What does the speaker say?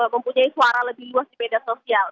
mempunyai suara lebih luas di sosial media